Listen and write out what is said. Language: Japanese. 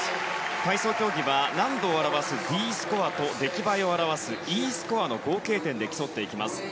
体操競技は難度を表すＤスコアと出来栄えを表すＥスコアの合計点で競ってきます。